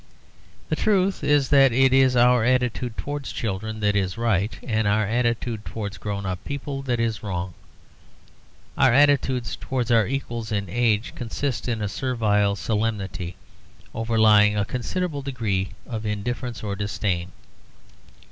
The truth is that it is our attitude towards children that is right, and our attitude towards grown up people that is wrong. Our attitude towards our equals in age consists in a servile solemnity, overlying a considerable degree of indifference or disdain.